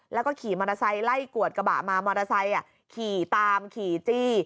แล้วก็ขี่มอเตอร์ไซค์ไล่กวดกระบะมามอเตอร์ไซค์ขี่ตามขี่จี้